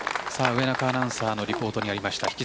上中アナウンサーのリポートにありました